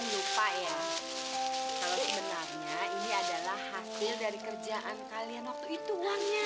sebenarnya ini adalah hasil dari kerjaan kalian waktu itu wangnya